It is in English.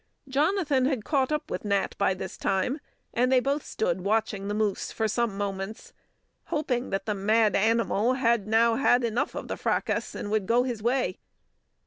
Jonathan had caught up with Nat by this time, and they both stood watching the moose for some moments, hoping that the mad animal had now had enough of the fracas and would go his way.